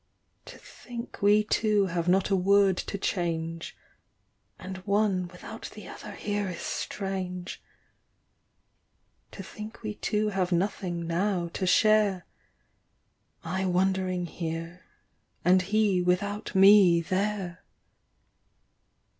To think we two have not a word to change : And one without the other here is strange ! To think we two have nothing now to share : I wondering here, and he without me there